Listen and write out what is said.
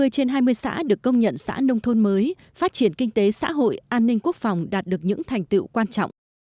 ba mươi trên hai mươi xã được công nhận xã nông thôn mới phát triển kinh tế xã hội an ninh quốc phòng đạt được những thành tựu quan trọng